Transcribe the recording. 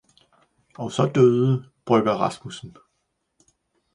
Og så døde brygger Rasmussen.